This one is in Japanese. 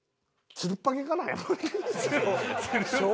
つるっぱげはな。